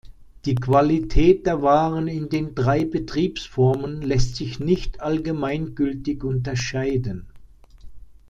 Die Qualität der Waren in den drei Betriebsformen lässt sich nicht allgemeingültig unterscheiden.